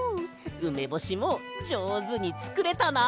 ウメボシもじょうずにつくれたな！